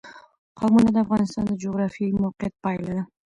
قومونه د افغانستان د جغرافیایي موقیعت پایله ده.